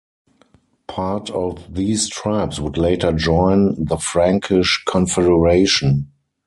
Part of these tribes would later join the Frankish confederation.